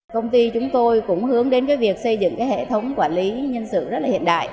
công ty chúng tôi cũng hướng đến việc xây dựng hệ thống quản lý nhân sự rất hiện đại